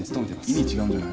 意味違うんじゃない？